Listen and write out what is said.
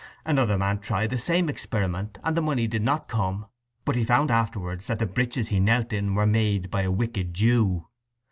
Another man tried the same experiment, and the money did not come; but he found afterwards that the breeches he knelt in were made by a wicked Jew.